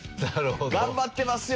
頑張ってますよ